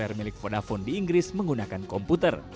pesan seluler milik vodafone di inggris menggunakan komputer